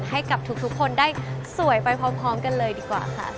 ให้กับทุกคนได้สวยไปพร้อมกันเลยดีกว่าค่ะ